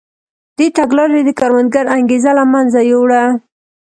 دې تګلارې د کروندګر انګېزه له منځه یووړه.